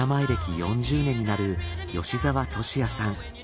４０年になる吉沢俊哉さん。